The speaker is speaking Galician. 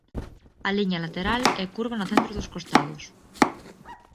A liña lateral é curva no centro dos costados.